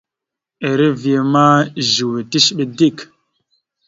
Eriveya ma zʉwe tishiɓe dik.